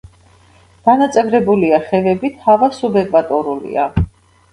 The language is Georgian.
დანაწევრებულია ხევებით, ჰავა სუბეკვატორულია.